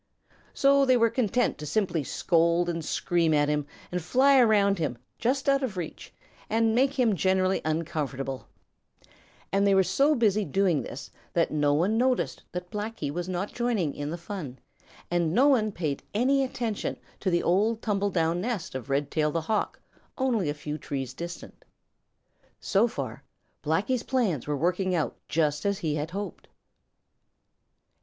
So they were content to simply scold and scream at him and fly around him, just out of reach, and make him generally uncomfortable, and they were so busy doing this that no one noticed that Blacky was not joining in the fun, and no one paid any attention to the old tumble down nest of Redtail the Hawk only a few trees distant. So far Blacky's plans were working out just as he had hoped.